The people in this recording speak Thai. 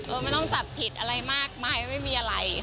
ไม่ต้องจับผิดอะไรมากมายไม่มีอะไร